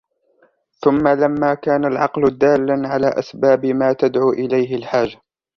ثُمَّ لَمَّا كَانَ الْعَقْلُ دَالًا عَلَى أَسْبَابِ مَا تَدْعُو إلَيْهِ الْحَاجَةُ